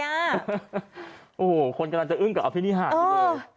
โอ้โหคนกำลังจะอึ้งกับเอาที่นี่หาดเลย